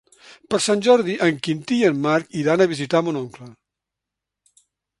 Per Sant Jordi en Quintí i en Marc iran a visitar mon oncle.